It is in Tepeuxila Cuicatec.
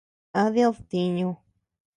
¿A did ntiñu?